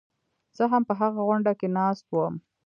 زه هم په هغه غونډه کې ناست وم.